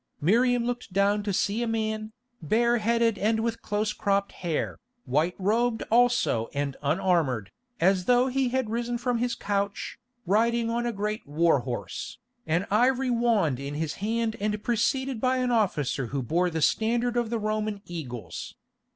Miriam looked down to see a man, bare headed and with close cropped hair, white robed also and unarmoured, as though he had risen from his couch, riding on a great war horse, an ivory wand in his hand and preceded by an officer who bore the standard of the Roman Eagles.